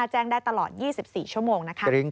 ๑๑๕๕แจ้งได้ตลอด๒๔ชั่วโมง